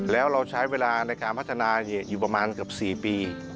แล้วเราใช้เวลาในการพัฒนาอยู่ประมาณเกือบ๔ปี